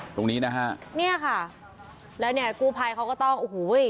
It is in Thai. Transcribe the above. ตรงนี้นะฮะเนี่ยค่ะแล้วเนี่ยกู้ภัยเขาก็ต้องโอ้โห